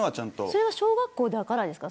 それは小学校だからですか。